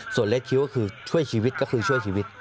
ส่วนเลขคิ้วก็คือช่วยชีวิตก็คือช่วยชีวิต